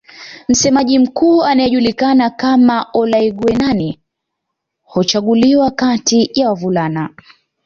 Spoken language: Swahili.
Msemaji Mkuu anayejulikana kama Olaiguenani huchaguliwa kati ya wavulana